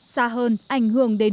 xa hơn ảnh hưởng đến